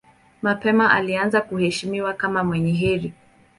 Mapema alianza kuheshimiwa kama mwenye heri.